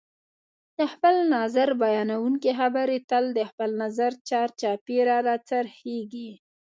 د خپل نظر بیانونکي خبرې تل د خپل نظر چار چاپېره راڅرخیږي